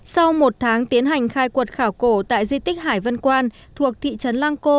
sau một tháng tiến hành khai quật khảo cổ tại di tích hải vân quan thuộc thị trấn lăng cô